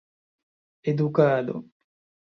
edukado